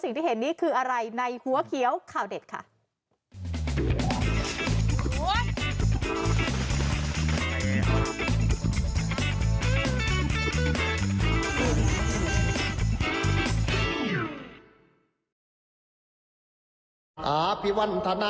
ที่เห็นนี้คืออะไรในหัวเขียวข่าวเด็ดค่ะ